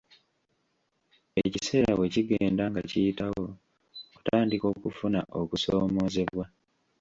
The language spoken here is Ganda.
Ekiseera bwe kigenda nga kiyitawo, otandika okufuna okusoomoozebwa.